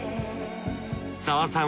澤さん